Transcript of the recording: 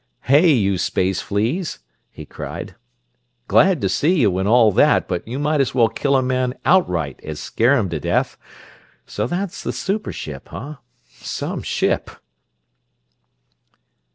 "Hey, you space fleas!" he cried. "Glad to see you and all that, but you might as well kill a man outright as scare him to death! So that's the super ship, huh? SOME ship!"